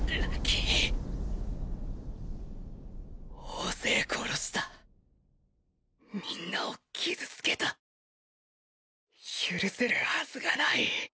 大勢殺した皆を傷つけた許せるハズがない